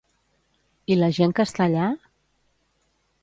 I la gent que està allà?